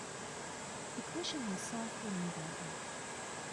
The cushion was soft and inviting.